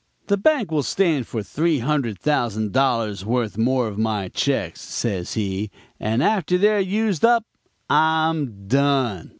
"'The bank will stand for three hundred thousand dollars' worth more of my checks,' says he, 'and after they're used up I'm done.'